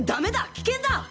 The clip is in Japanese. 危険だ！